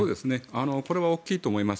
これは大きいと思います。